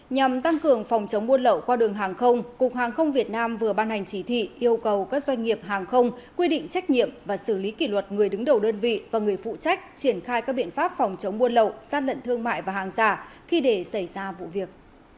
nhằm tăng cường phòng chống buôn lậu qua đường hàng không cục hàng không việt nam vừa ban hành chỉ thị yêu cầu các doanh nghiệp hàng không quy định trách nhiệm và xử lý kỷ luật người đứng đầu đơn vị và người phụ trách triển khai các biện pháp phòng chống buôn lậu gian lận thương mại và hàng giả khi để xảy ra vụ việc